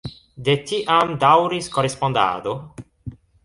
De tiam daŭris korespondado.